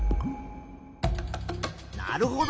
なるほど。